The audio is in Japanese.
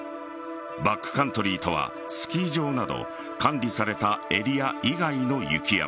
バックカントリーとはスキー場など管理されたエリア以外の雪山